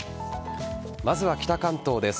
まずは北関東です。